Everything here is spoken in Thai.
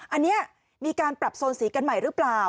อันนี้มีการปรับโซนสีกันใหม่หรือเปล่า